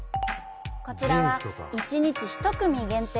こちらは１日１組限定